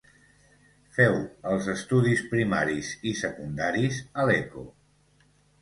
Feu els estudis primaris i secundaris a Lecco.